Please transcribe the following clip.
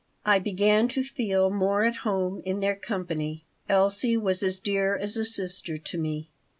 I began to feel more at home in their company. Elsie was as dear as a sister to me.